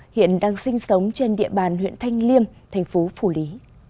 hiện đang sinh sống trên địa bàn huyện thanh liêm thành phố phủ lý